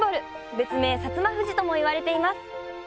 べつめい「摩富士」ともいわれています。